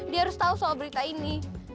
dia harus tahu soal berita ini